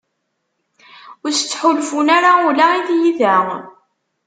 Ur as-ttḥulfun ara ula i tyita.